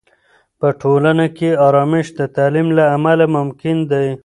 په ټولنه کې آرامش د تعلیم له امله ممکن دی.